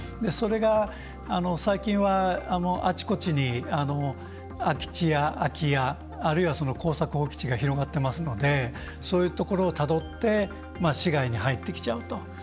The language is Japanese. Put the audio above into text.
それが、最近はあちこちに空き地や空き家あるいは耕作放棄地が広がっていますのでそういうところをたどって市街に入ってきちゃうと。